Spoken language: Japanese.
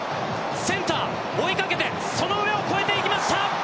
センター、追いかけてその上を越えていきました。